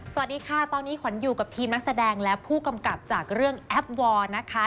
สวัสดีค่ะตอนนี้ขวัญอยู่กับทีมนักแสดงและผู้กำกับจากเรื่องแอปวอร์นะคะ